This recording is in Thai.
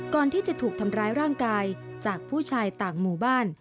ก่อนที่จะถูกทำร้ายร่างกายจากผู้ชายต่างหมู่บ้าน